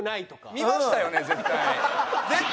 見ましたよね絶対。